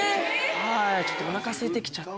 はいちょっとおなかすいてきちゃって。